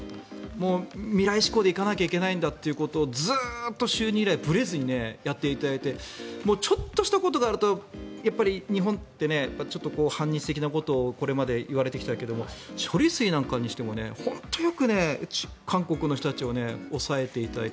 もう未来志向で行かないといけないんだとずっと就任以来ぶれずにやっていただいてちょっとしたことがあると日本って反日的なことをこれまで言われてきたけども処理水に関しても本当よく韓国の人たちを抑えていただいて。